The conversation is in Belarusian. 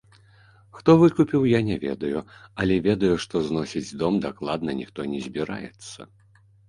Хто выкупіў, я не ведаю, але ведаю, што зносіць дом дакладна ніхто не збіраецца.